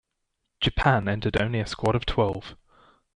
Japan entered only a squad of twelve.